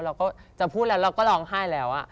เราก็จะพูดแล้วเราก็ร้องไห้แล้ว